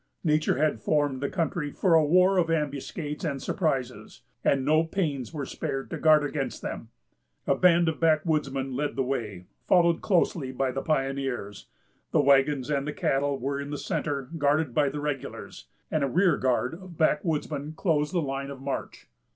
Nature had formed the country for a war of ambuscades and surprises, and no pains were spared to guard against them. A band of backwoodsmen led the way, followed closely by the pioneers; the wagons and the cattle were in the centre, guarded by the regulars; and a rear guard of backwoodsmen closed the line of march.